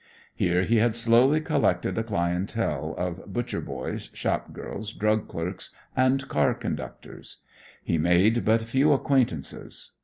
Here he had slowly collected a clientele of butcher boys, shop girls, drug clerks and car conductors. He made but few acquaintances.